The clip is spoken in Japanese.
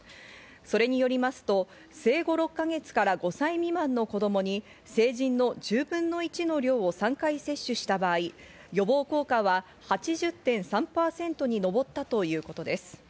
それによりますと生後６か月から５歳未満の子供に成人の１０分の１の量を３回接種した場合、予防効果は８０．３％に上ったということです。